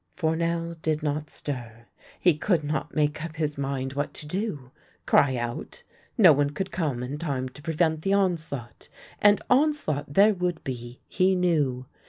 ..." Fournel did not stir. He could not make up his mind what to do. Cry out? No one could come in time to prevent the onslaught — and onslaught there would be, he knew.